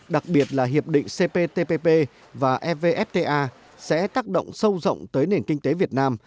đặc biệt là hiệp định cptpp và evfta sẽ tác động sâu rộng tới nền kinh tế việt nam